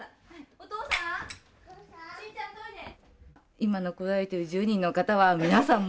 今残られている１０人の方は皆さん